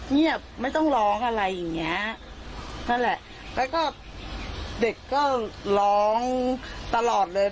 เงียบไม่ต้องร้องอะไรอย่างเงี้ยนั่นแหละแล้วก็เด็กก็ร้องตลอดเลย